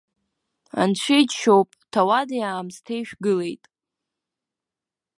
Анцәа иџьшьоуп, ҭауади-аамсҭеи шәгылеит!